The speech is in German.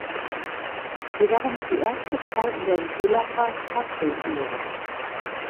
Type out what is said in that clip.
Sie war damit die erste Frau in der Villacher Stadtregierung.